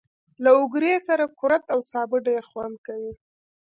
له اوگرې سره کورت او سابه ډېر خوند کوي.